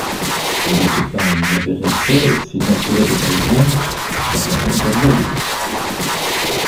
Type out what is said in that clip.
Le duc de Parme n'avait rien fait s'il n'assurait aux Parisiens Charenton et Corbeil.